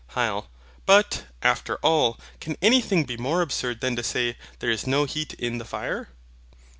HYL. But, after all, can anything be more absurd than to say, THERE IS NO HEAT IN THE FIRE?